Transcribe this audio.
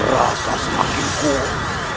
rasa semakin kuat